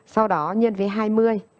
sau đó nhân với hai mươi